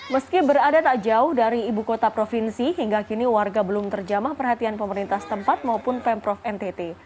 meski berada tak jauh dari ibu kota provinsi hingga kini warga belum terjamah perhatian pemerintah setempat maupun pemprov ntt